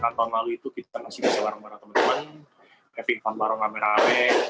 teman teman happy fun bareng ame ame